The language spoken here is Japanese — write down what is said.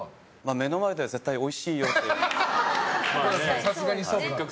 目の前では絶対おいしいよって。